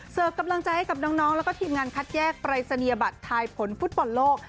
กำลังใจให้กับน้องแล้วก็ทีมงานคัดแยกปรายศนียบัตรทายผลฟุตบอลโลก